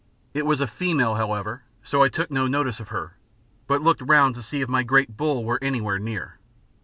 It was a female, however, so I took no notice of her, but looked round to see if my great bull were anywhere near.